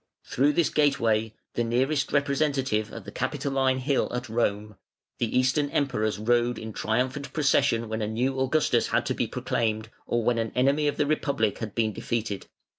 Through this gateway the nearest representative of the Capitoline Hill at Rome the Eastern Emperors rode in triumphant procession when a new Augustus had to be proclaimed, or when an enemy of the Republic had been defeated.